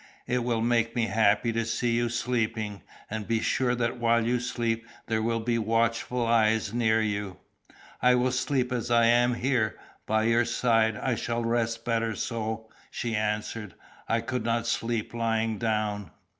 It will make me happy to see you sleeping, and be sure that while you sleep there will be watchful eyes near you." "I will sleep as I am here, by your side; I shall rest better so," she answered. "I could not sleep lying down."